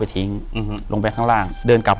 อยู่ที่แม่ศรีวิรัยิลครับ